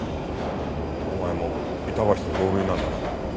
お前も板橋と同類なんだな。